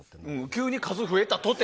急に数増えたとて。